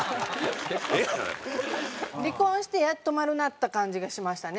離婚してやっと丸なった感じがしましたね。